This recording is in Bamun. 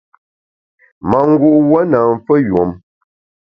Mangu’ wuon na mfeyùom.